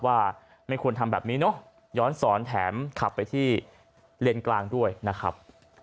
ว่าไม่ควรทำแบบนี้เนอะย้อนสอนแถมขับไปที่เลนส์กลางด้วยนะครับ